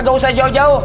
gak usah jauh jauh